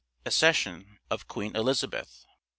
Accession of Queen Elizabeth.